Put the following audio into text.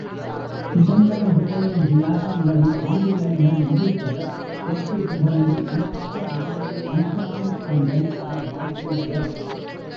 சிதம்பரம் பிள்ளையின் தியாகங்களை காந்தியடிகள் மதித்தவர் போற்றிப் புகழ்ந்து மனமார அவரது அஞ்சாமைப் பண்பை அவர் வாழ்த்தியவர்.